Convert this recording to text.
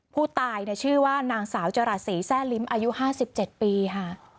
ผู้ตายชื่อว่านางสาวจราศรีแซ่ลิ้มอายุ๕๗ปีค่ะ